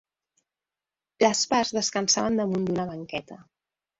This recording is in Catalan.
Les parts descansaven damunt d'una banqueta.